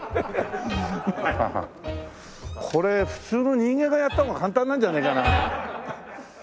これ普通の人間がやった方が簡単なんじゃないかな。